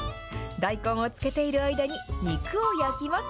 大根を漬けている間に肉を焼きます。